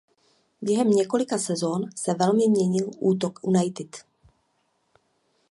Během několika sezon se velmi měnil útok United.